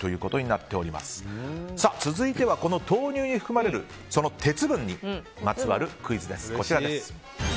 続いては、豆乳に含まれる鉄分にまつわるクイズです。